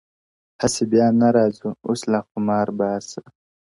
o هسي بیا نه راځو، اوس لا خُمار باسه،